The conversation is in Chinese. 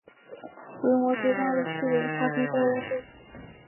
规模最大的示威发生在欧洲。